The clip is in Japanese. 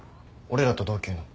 俺らと同級の。